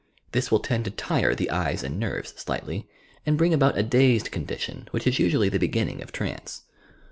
This will tend to tire the eyes and ner\'es slightly, and bring about a dazed condition which is usually the beginning of trance.